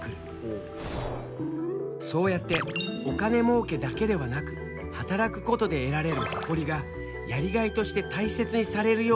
そうやってお金もうけだけではなく働くことで得られる誇りがやりがいとして大切にされるようにもなってきたんだ。